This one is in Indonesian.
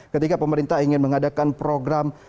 ketika pemerintah ingin mengadakan program